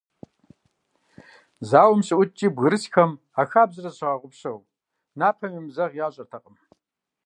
Зауэм щыӀуткӀи, бгырысхэм, а хабзэр зыщагъэгъупщэу, напэм емызэгъ ящӀэртэкъым.